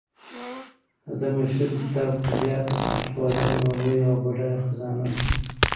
د ده مشهور کتاب کلیات د پښتو ادب یوه لویه او بډایه خزانه ده.